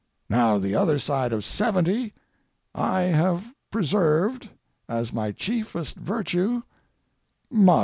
Now, the other side of seventy, I have preserved, as my chiefest virtue, modesty.